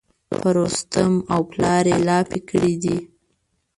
په رستم او پلار یې لاپې کړي دي.